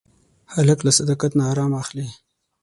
هلک له صداقت نه ارام اخلي.